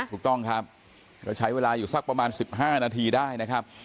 ถูกต้องครับก็ใช้เวลาอยู่สักประมาณ๑๕นาทีได้นะครับ